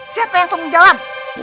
siapa yang tau menjawab